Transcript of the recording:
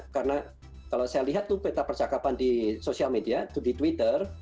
karena kalau saya lihat tuh peta percakapan di social media di twitter